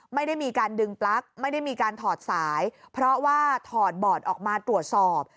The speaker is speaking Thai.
ไม่ได้มีการดึงปลั๊กไม่ได้มีการถอดสายเพราะว่าถอดบอร์ดออกมาตรวจสอบ